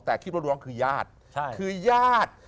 แต่คิดว่าล้วงคือญาติคือญาติ